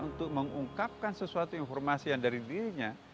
untuk mengungkapkan sesuatu informasi yang dari dirinya